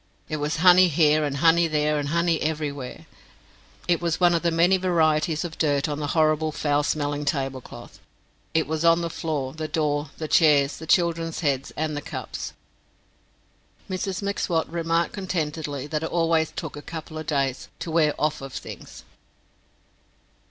It was honey here and honey there and honey everywhere. It was one of the many varieties of dirt on the horrible foul smelling tablecloth. It was on the floor, the door, the chairs, the children's heads, and the cups. Mrs M'Swat remarked contentedly that it always took a couple of days to wear "off of" things.